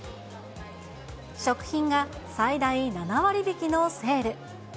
食品が最大７割引きのセール。